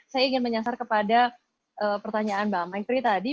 saya ingin menyasar kepada pertanyaan mbak maitri tadi